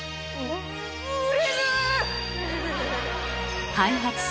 売れる！